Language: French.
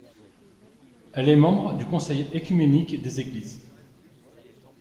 Elle est membre du Conseil œcuménique des Églises.